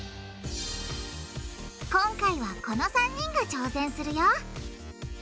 今回はこの３人が挑戦するよ